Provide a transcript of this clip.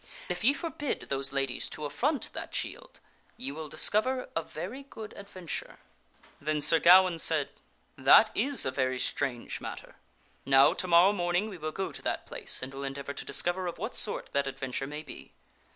If ye forbid those ladies to affront that shield you will discover a very good adventure." Then Sir Gawaine said, " That is a very strange matter. Now, to mor row morning we will go to that place and will endeavor to discover of what sort that adventure may be."